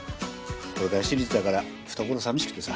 これから私立だから懐寂しくてさ。